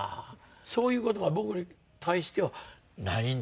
そういう事は僕に対してはないんですね。